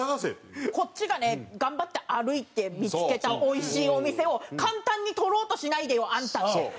こっちがね頑張って歩いて見付けたおいしいお店を簡単に取ろうとしないでよあんた！っていう。